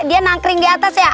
dia nangkring di atas ya